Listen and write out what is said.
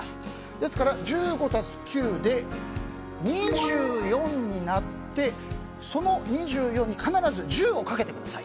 ですから１５＋９で２４になってその２４に必ず１０をかけてください。